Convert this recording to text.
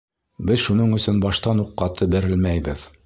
Беҙ шуның өсөн баштан уҡ ҡаты бәрелмәйбеҙ.